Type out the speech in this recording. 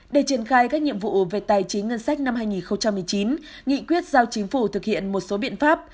để triển khai các nhiệm vụ về tài chính ngân sách năm hai nghìn một mươi chín nghị quyết giao chính phủ thực hiện một số biện pháp